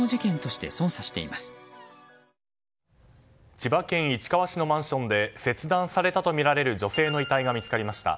千葉県市川市のマンションで切断されたとみられる女性の遺体が見つかりました。